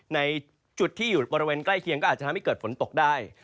ในจุดที่อยู่บริเวณใกล้เคียงก็อาจจะทำให้เกิดฝนตกได้